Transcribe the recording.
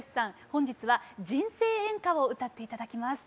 本日は「人生援歌」を歌っていただきます。